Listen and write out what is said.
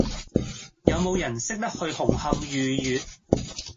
有無人識得去紅磡御悅